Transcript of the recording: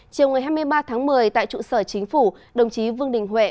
chiều ngày hai mươi ba tháng một mươi tại trụ sở chính phủ đồng chí vương đình huệ